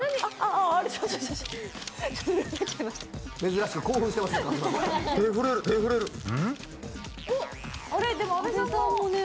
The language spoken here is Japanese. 珍しく興奮してますね。